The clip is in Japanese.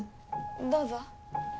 どうぞ。